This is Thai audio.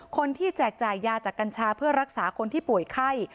แจกจ่ายยาจากกัญชาเพื่อรักษาคนที่ป่วยไข้